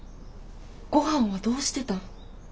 ごはんはどうしてたん？